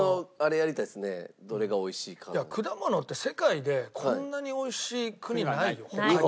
果物って世界でこんなに美味しい国ないよ他に。